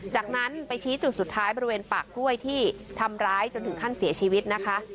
จากนั้นไปชี้จุดสุดท้ายบริเวณปากกล้วยที่ทำร้ายจนถึงขั้นเสียชีวิตนะคะ